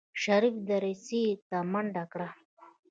شريف دريڅې ته منډه کړه.